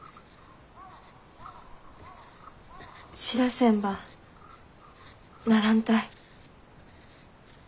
知らせんばならんたい。